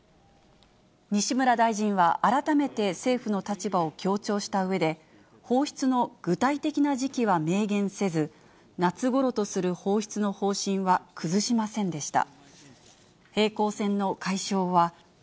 西村大臣は改めて政府の立場を強調したうえで、放出の具体的な時期は明言せず、夏ごろとする放出の方針は崩しませんでした。